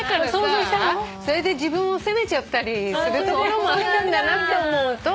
それで自分を責めちゃったりするところもあるんだなって思うと。